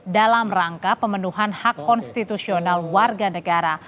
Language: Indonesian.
dalam rangka pemenuhan hak konstitusional warga negara